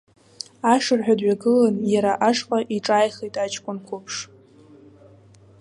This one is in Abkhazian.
Ашырҳәа дҩагылан, иара ашҟа иҿааихеит аҷкәын қәыԥш.